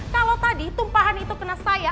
kalau tadi tumpahan itu kena saya